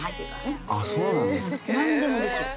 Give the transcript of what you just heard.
何でもできる。